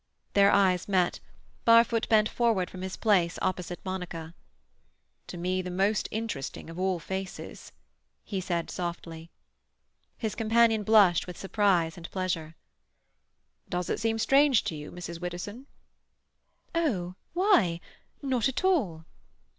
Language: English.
Their eyes met. Barfoot bent forward from his place opposite Monica. "To me the most interesting of all faces," he said softly. His companion blushed with surprise and pleasure. "Does it seem strange to you, Mrs. Widdowson?" "Oh—why? Not at all."